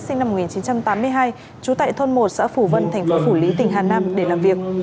sinh năm một nghìn chín trăm tám mươi hai trú tại thôn một xã phủ vân thành phố phủ lý tỉnh hà nam để làm việc